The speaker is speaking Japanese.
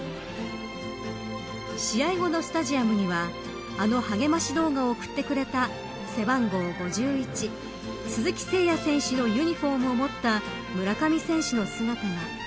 試合後のスタジアムにはあの励まし動画を送ってくれた背番号５１、鈴木誠也選手のユニホームを持った村上選手の姿が。